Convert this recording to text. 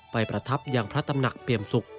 ไปประทับอย่างพระตำหนักเปรียมศุกร์